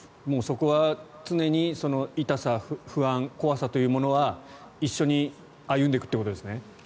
もうそこは常に痛さ、不安、怖さというのは一緒に歩んでいくということですね？